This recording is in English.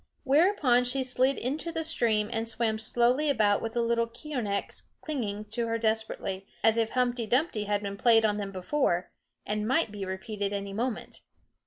Whereupon she slid into the stream and swam slowly about with the little Keeonekhs clinging to her desperately, as if humpty dumpty had been played on them before, and might be repeated any moment.